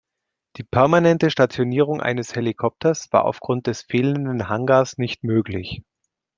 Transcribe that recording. Die permanente Stationierung eines Helikopters war aufgrund des fehlenden Hangars nicht möglich.